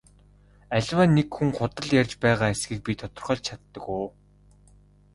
Аливаа нэг хүн худал ярьж байгаа эсэхийг би тодорхойлж чаддаг уу?